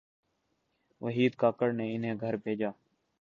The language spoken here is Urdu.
وحید کاکڑ نے انہیں گھر بھیجا۔